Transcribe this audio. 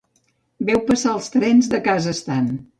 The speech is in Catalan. Veu passar els trens de casa estant.